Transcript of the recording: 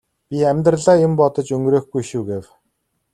би амьдралаа юм бодож өнгөрөөхгүй шүү гэв.